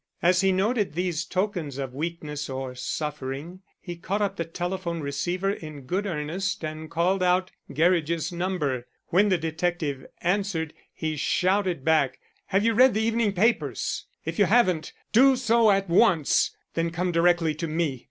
As he noted these tokens of weakness or suffering, he caught up the telephone receiver in good earnest and called out Gerridge's number. When the detective answered, he shouted back: "Have you read the evening papers? If you haven't, do so at once; then come directly to me.